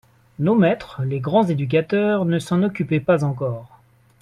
Nos maîtres, les grands éducateurs, ne s'en occupaient pas encore.